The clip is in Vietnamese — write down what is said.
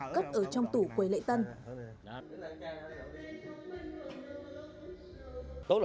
cất ở trong tủ quầy lệ tân